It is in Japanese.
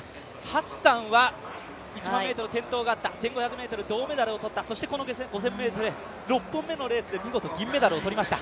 ハッサンは１００００ｍ、転倒があった、１５００銅メダルを取った、そしてこの５０００ｍ、６本目のレースで見事、銀メダルを取りました。